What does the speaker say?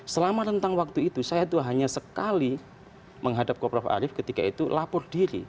selama rentang waktu itu saya itu hanya sekali menghadap ke prof arief ketika itu lapor diri